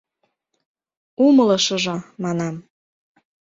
— Умылышыжо, манам.